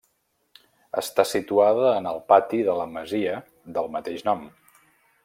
Està situada en el pati de la masia del mateix nom.